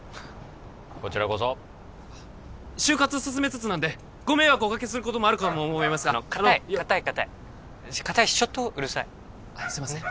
こちらこそ就活進めつつなんでご迷惑をおかけすることもあるかとカタいカタいカタいカタいしちょっとうるさいあっすいません